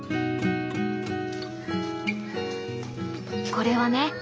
これはね